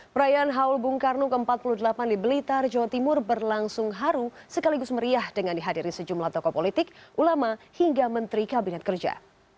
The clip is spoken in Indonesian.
perayaan haul bung karno ke empat puluh delapan di blitar jawa timur berlangsung haru sekaligus meriah dengan dihadiri sejumlah tokoh politik ulama hingga menteri kabinet kerja